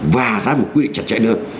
và ra một quyết định chặt chạy đơn